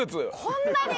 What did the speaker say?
こんなに？